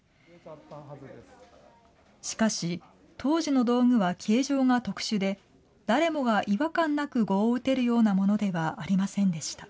しかし、当時の道具は形状が特殊で、誰もが違和感なく碁を打てるようなものではありませんでした。